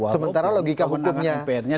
sementara logika hukumnya